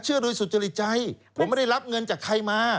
เชื่อโดยสุจริตใจผมไม่ได้รับเงินจากใครมา